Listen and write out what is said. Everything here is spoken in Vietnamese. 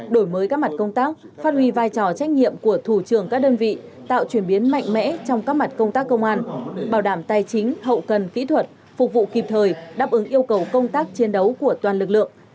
đổi mới các mặt công tác phát huy vai trò trách nhiệm của thủ trưởng các đơn vị tạo chuyển biến mạnh mẽ trong các mặt công tác công an bảo đảm tài chính hậu cần kỹ thuật phục vụ kịp thời đáp ứng yêu cầu công tác chiến đấu của toàn lực lượng